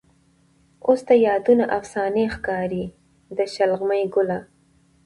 اوس د یادونه افسانې ښکاري. د شلغمې ګله